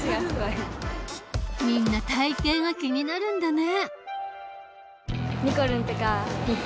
みんな体型が気になるんだね。